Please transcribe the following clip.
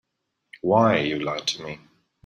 Why, you lied to me.